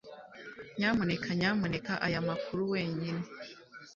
Nyamuneka nyamuneka aya makuru wenyine.